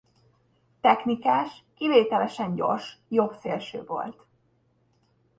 Technikás kivételesen gyors jobbszélső volt.